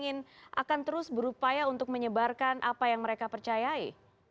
yang juga tentu saja ingin akan terus berupaya untuk menyebarkan apa yang mereka percayai